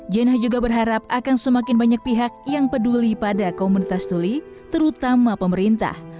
jana juga berharap akan semakin banyak pihak yang peduli pada komunitas tuli terutama pemerintah